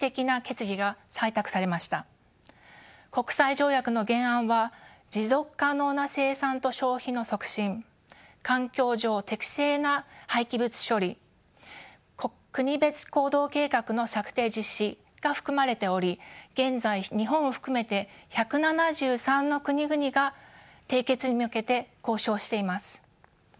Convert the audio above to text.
国際条約の原案は「持続可能な生産と消費の促進」「環境上適正な廃棄物処理」「国別行動計画の策定・実施」が含まれており現在日本を含めて１７３の国々が締結に向けて交渉しています。